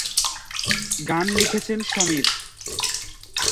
গান লিখেছেন সমীর।